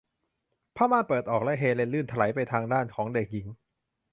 ผ้าม่านเปิดออก และเฮเลนลื่นไถลไปทางด้านของเด็กหญิง